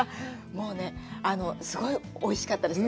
もうね、すごいおいしかったです。